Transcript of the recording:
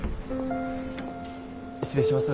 失礼します。